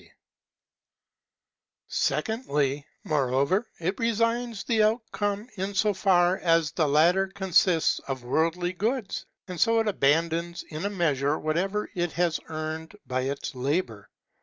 PHENOMENOLOGY OF THE SPIRIT 627 Secondly, moreover, it resigns the outcome in so 'far as the latter consists of worldly goods, and so it abandons, in a measure, whatever it has earned by its labor.